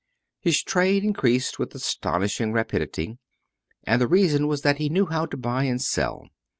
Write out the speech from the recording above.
His trade increased with astonishing rapidity, and the reason was that he knew how to buy and sell.